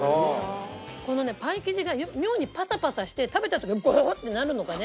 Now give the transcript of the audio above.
このねパイ生地が妙にパサパサして食べた時ゴホッてなるのがね